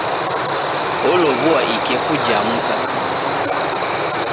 Olow'oa ikeku ja mka.